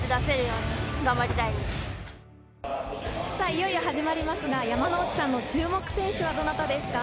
いよいよ始まりますが、山之内さんの注目選手はどなたですか？